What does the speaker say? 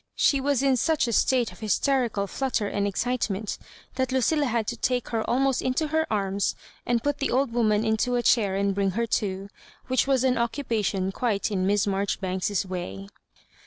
She was in such a state of hysterical flutter and excite ment that Lucilla had to take her almost into her arms and put the old woman into a chair and bring her to, which was an occupation quite in Miss Marjoribanks's way.